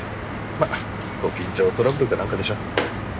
まあご近所トラブルかなんかでしょ。